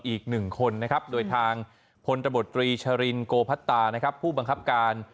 อีก๑คนโดยทางพตชโกภัตราผู้บังครับการ